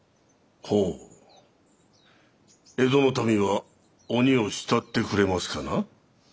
ほう江戸の民は鬼を慕ってくれますかな？